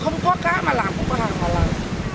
không có cá mà làm không có hải sản làm